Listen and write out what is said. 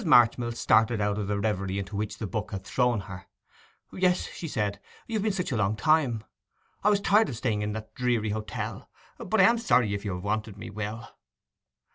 Marchmill started out of the reverie into which the book had thrown her. 'Yes,' she said, 'you've been such a long time. I was tired of staying in that dreary hotel. But I am sorry if you have wanted me, Will?